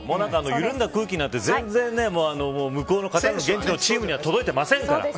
緩んだ空気なんて、全然向こうのカタールの現地には届いてませんから。